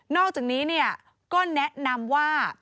อกจากนี้ก็แนะนำว่า